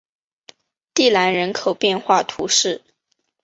蒂兰人口变化图示